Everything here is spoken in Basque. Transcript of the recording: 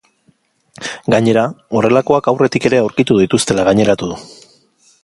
Gainera, horrelakoak aurretik ere aurkitu dituztela gaineratu du.